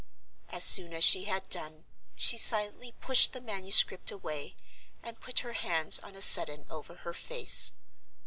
As soon as she had done, she silently pushed the manuscript away, and put her hands on a sudden over her face.